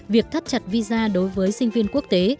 việc thắt chặt visa đối với sinh viên quốc tế